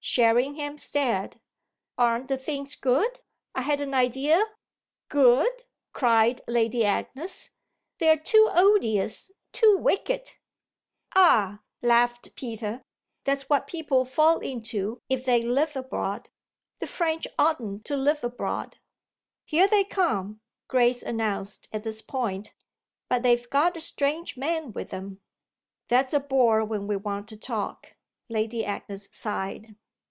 Sherringham stared. "Aren't the things good? I had an idea !" "Good?" cried Lady Agnes. "They're too odious, too wicked." "Ah," laughed Peter, "that's what people fall into if they live abroad. The French oughtn't to live abroad!" "Here they come," Grace announced at this point; "but they've got a strange man with them." "That's a bore when we want to talk!" Lady Agnes sighed.